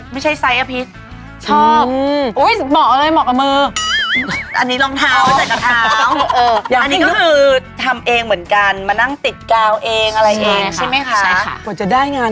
ไม่แต่ว่าถือไว้โอเคนะเพราะว่าให้ไอเดียไง